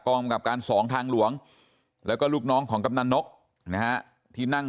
กองบังกับการสองทางหลวงแล้วก็ลูกน้องของกำลังนกที่นั่ง